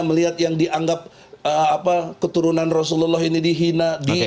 melihat yang dianggap keturunan rasulullah ini dihina